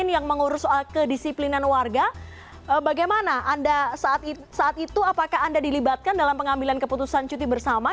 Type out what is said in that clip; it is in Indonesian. yang mengurus soal kedisiplinan warga bagaimana anda saat itu apakah anda dilibatkan dalam pengambilan keputusan cuti bersama